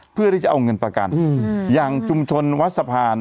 เพื่อที่จะเอาเงินประกันอย่างชุมชนวัดสะพาน